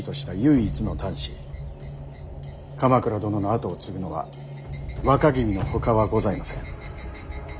鎌倉殿の跡を継ぐのは若君のほかはございません。